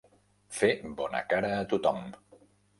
Fer bona cara a tothom.